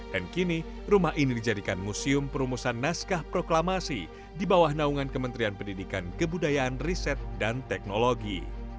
dan kini rumah ini dijadikan museum perumusan naskah proklamasi di bawah naungan kementerian pendidikan kebudayaan riset dan teknologi